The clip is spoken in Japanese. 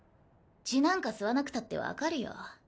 血なんか吸わなくたって分かるよ。